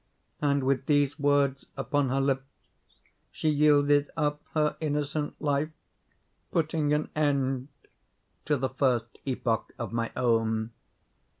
And, with these words upon her lips, she yielded up her innocent life, putting an end to the first epoch of my own.